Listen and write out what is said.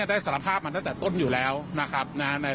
ได้สารภาพมาตั้งแต่ต้นอยู่แล้วนะครับ